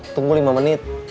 tunggu lima menit